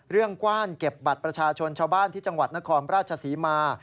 กว้านเก็บบัตรประชาชนชาวบ้านที่จังหวัดนครราชศรีมา